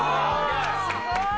すごい！